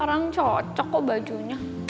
orang cocok kok bajunya